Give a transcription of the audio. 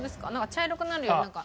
茶色くなるよりなんか。